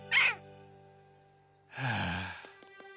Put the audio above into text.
・はあ。